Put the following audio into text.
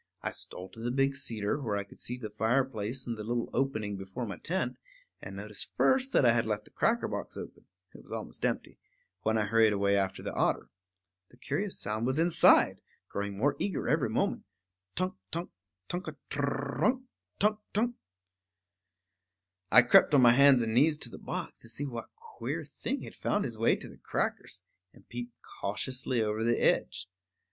I stole to the big cedar, where I could see the fireplace and the little opening before my tent, and noticed first that I had left the cracker box open (it was almost empty) when I hurried away after the otter. The curious sound was inside, growing more eager every moment tunk, tunk, tunk a trrrrrrr runk, tunk, tunk! I crept on my hands and knees to the box, to see what queer thing had found his way to the crackers, and peeped cautiously over the edge.